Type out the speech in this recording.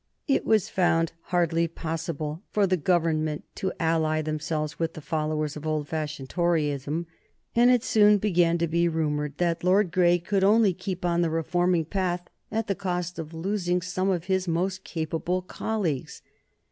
It was found hardly possible for the Government to ally themselves with the followers of old fashioned Toryism, and it soon began to be rumored that Lord Grey could only keep on the reforming path at the cost of losing some of his most capable colleagues.